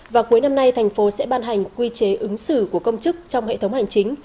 và cuối năm nay thành phố sẽ ban hành quy chế ứng xử của công chức trong hệ thống hành chính